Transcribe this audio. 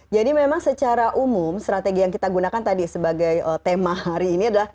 jadi memang secara umum strategi yang kita gunakan tadi sebagai tema hari ini adalah